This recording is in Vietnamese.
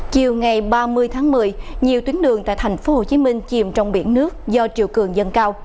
chiều ngày ba mươi tháng một mươi nhiều tuyến đường tại thành phố hồ chí minh chìm trong biển nước do triều cường dân cao